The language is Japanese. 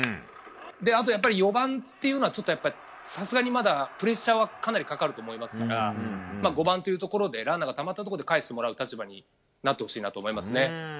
あと、４番というのはちょっと、さすがにまだプレッシャーはかなりかかると思いますから５番というところランナーがたまったところでかえしてもらう立場になってほしいなと思いますね。